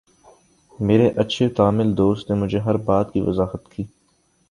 میرے اچھے تامل دوست نے مجھے ہر بات کی وضاحت کی